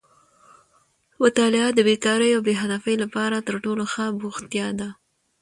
مطالعه د بېکارۍ او بې هدفۍ لپاره تر ټولو ښه بوختیا ده.